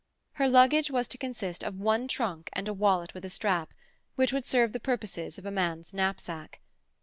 Her luggage was to consist of one trunk and a wallet with a strap, which would serve the purposes of a man's knapsack.